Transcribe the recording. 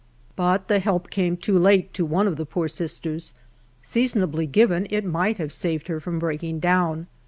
But the help came too late to one of tiie poor sisters; seasonably given, it might have saved her from breaking dc>wn.